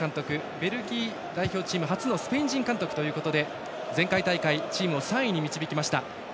ベルギー代表チーム初のスペイン人監督ということで前回大会チームを３位に導きました。